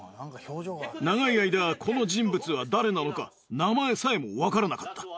長い間この人物は誰なのか名前さえもわからなかった。